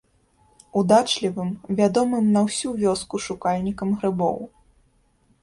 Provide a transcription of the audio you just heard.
Удачлівым, вядомым на ўсю вёску шукальнікам грыбоў.